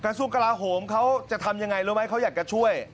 กบนศูนย์การิโรทิกราโหงจะทำอย่างไรไม่ว่าเขาอยากจะช่วย